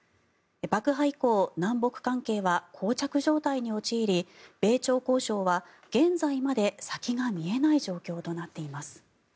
爆破以降南北関係はこう着状態に陥り米朝交渉は現在まで先が見えない状況となっています。